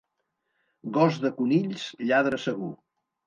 Gos de conills, lladre segur.